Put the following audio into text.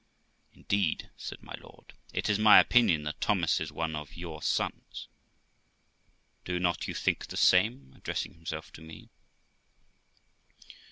Indeed', said my lord, 'it is my opinion that Thomas is one of your sons; do not you think the same?', addressing himself to me.